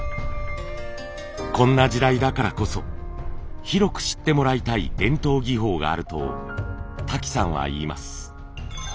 こんな時代だからこそ広く知ってもらいたい伝統技法があると瀧さんはいいます。